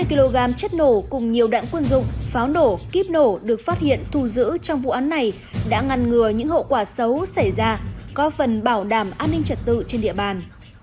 hai mươi kg chất nổ cùng nhiều đạn quân dụng pháo nổ kiếp nổ được phát hiện thu giữ trong vụ án này đã ngăn ngừa những hậu quả xấu xảy ra có phần bảo đảm an ninh trật tự trên địa bàn